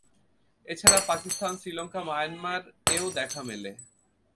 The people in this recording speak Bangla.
এছাড়া পাকিস্তান, শ্রীলঙ্কা, মায়ানমার এও দেখা মেলে।